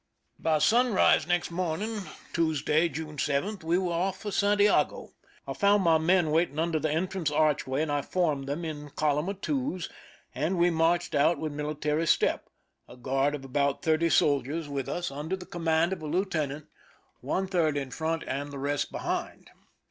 BY sunrise next morning (Tuesday, June 7) we were off for Santiago. I found my men wait ing under the entrance archway, and I formed them in column of twos, and we marched out with military step, a guard of about thirty soldiers with us under the command of a lieutenant, one third in front 211 THE SINKING OF THE "MEREIMAC" and the rest behind.